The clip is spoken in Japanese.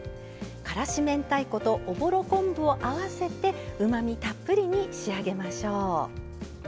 からし明太子とおぼろ昆布を合わせてうまみたっぷりに仕上げましょう。